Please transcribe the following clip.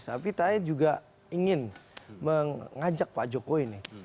tapi saya juga ingin mengajak pak jokowi nih